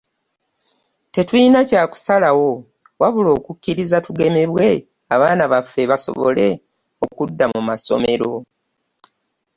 Tetulina kya kusalawo wabula okukkiriza tugemebwe abaana baffe basobole okudda mu masomero.